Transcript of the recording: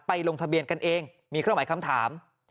ลงทะเบียนกันเองมีเครื่องหมายคำถาม